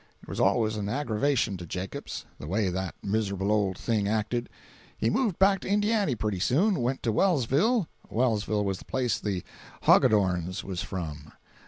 It was always an aggravation to Jacops, the way that miserable old thing acted. He moved back to Indiany pretty soon—went to Wellsville—Wellsville was the place the Hogadorns was from.